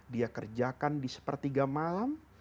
dia kerjakan di sepertiga malam